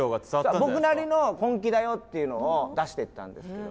僕なりの本気だよっていうのを出してったんですけど。